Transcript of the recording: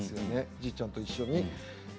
じいちゃんと一緒に。